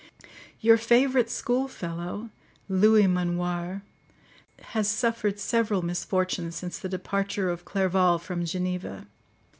Your favourite schoolfellow, Louis Manoir, has suffered several misfortunes since the departure of Clerval from Geneva.